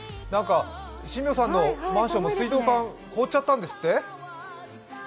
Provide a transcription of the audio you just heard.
新名さんのマンションも水道管、凍っちゃったんですって？